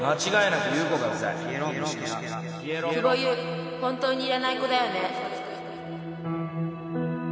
「クボユウ本当にいらない子だよね」